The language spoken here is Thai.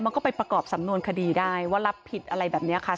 มันก็ไปประกอบสำนวนคดีได้ว่ารับผิดอะไรแบบนี้ค่ะ